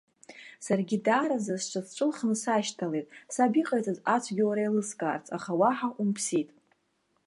Саргьы даараӡа сҽазҵәылхны сашьҭалеит, саб иҟаиҵаз ацәгьоура еилыскаарц, аха уаҳа умԥсит.